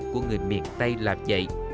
của người miền tây làm vậy